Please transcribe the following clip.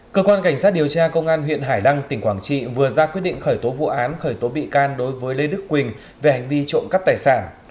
cơ quan cảnh sát điều tra công an huyện hải đăng tỉnh quảng trị vừa ra quyết định khởi tố vụ án khởi tố bị can đối với lê đức quỳnh về hành vi trộm cắp tài sản